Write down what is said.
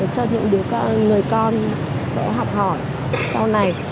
cho những người con sẽ học hỏi sau này